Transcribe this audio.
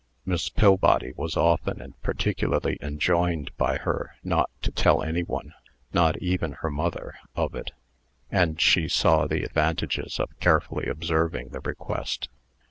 Miss Pillbody was often and particularly enjoined by her not to tell any one not even her mother of it; and she saw the advantages of carefully observing the request.